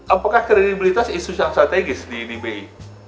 apakah kredibilitas isu yang strategis di bi